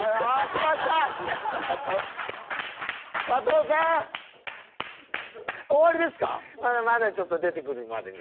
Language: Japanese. まだまだちょっと出てくるまでには。